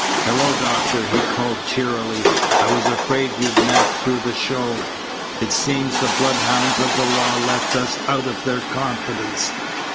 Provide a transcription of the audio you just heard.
"Hello, Doctor," he called cheerily. "I was afraid you'd nap through the show. It seems the bloodhounds of the law left us out of their confidence."